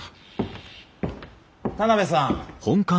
田邊さん。